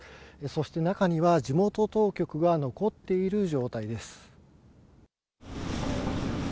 そして中には、地元当局が残っている状態です。